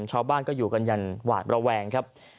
ชาวบ้านก็อยู่กันอย่างหวาดระแวงครับ